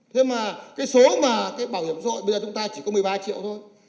thế mà cái số mà cái bảo hiểm xã hội bây giờ chúng ta chỉ có một mươi ba triệu thôi